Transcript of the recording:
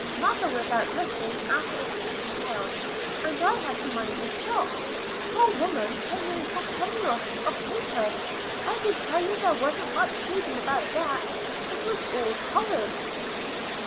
Mother was out looking after a sick child, and I had to mind the shop. Poor women came in for penn'orths of paper. I can tell you there wasn't much freedom about that; it was all horrid."